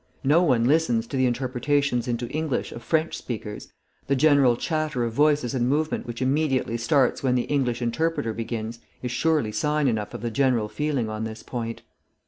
No one listens to the interpretations into English of French speakers; the general chatter of voices and movement which immediately starts when the English interpreter begins, is surely sign enough of the general feeling on this point...."